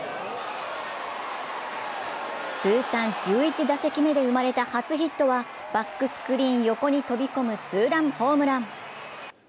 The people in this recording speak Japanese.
通算１１打席目で生まれた初ヒットはバックスクリーン横に飛び込むツーランホームラン。